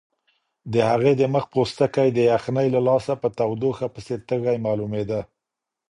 د هغې د مخ پوستکی د یخنۍ له لاسه په تودوخه پسې تږی معلومېده.